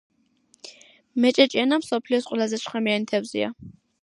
მეჭეჭიანა მსოფლიოს ყველაზე შხამიანი თევზია.